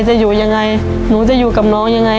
จะอยู่ยังไงหนูจะอยู่กับน้องยังไง